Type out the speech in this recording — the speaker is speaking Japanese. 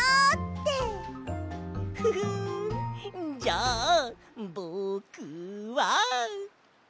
フフンじゃあぼくは。